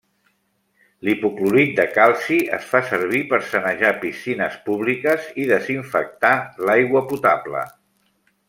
L'hipoclorit de calci es fa servir per sanejar piscines públiques i desinfectar l'aigua potable.